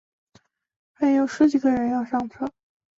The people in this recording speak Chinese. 还有十几个人要上车